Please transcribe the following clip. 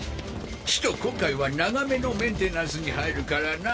ちと今回は長めのメンテナンスに入るからな。